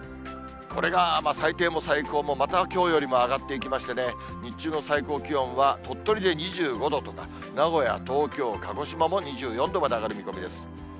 これが最低も最高も、またきょうよりも上がっていきましてね、日中の最高気温は鳥取で２５度とか、名古屋、東京、鹿児島も２４度まで上がる見込みです。